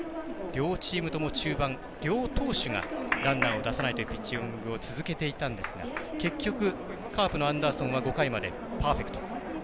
両チームとも中盤、両投手がランナーを出さないというピッチングを続けていたんですが結局、カープのアンダーソンは５回までパーフェクト。